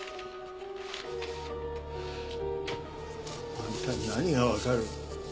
あんたに何がわかる？